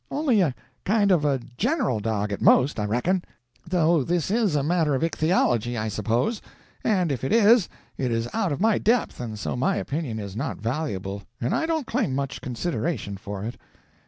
Only a kind of a general dog, at most, I reckon. Though this is a matter of ichthyology, I suppose; and if it is, it is out of my depth, and so my opinion is not valuable, and I don't claim much consideration for it."